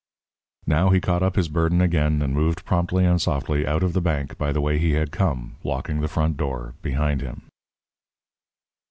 Now he caught up his burden again and moved promptly and softly out of the bank by the way he had come locking the front door behind him.